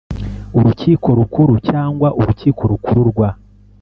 Urukiko Rukuru cyangwa Urukiko Rukuru rwa